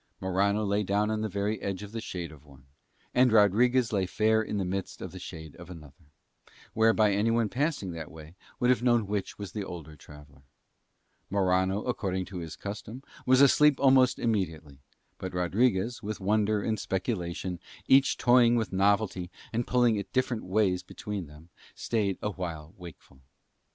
Morano lay down on the very edge of the shade of one, and Rodriguez lay fair in the midst of the shade of another, whereby anyone passing that way would have known which was the older traveller. Morano, according to his custom, was asleep almost immediately; but Rodriguez, with wonder and speculation each toying with novelty and pulling it different ways between them, stayed awhile wakeful.